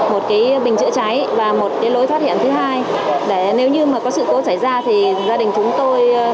mở thêm một lối thoát thứ hai để hạn chế rủi ro khi xảy ra cháy nổ